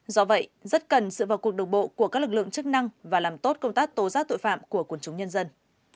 do vậy rất cần sự vào cuộc đồng bộ của các lực lượng chức năng và làm tốt công tác tố giác tội phạm của quân chúng nhân dân